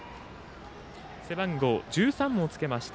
背番号１３をつけました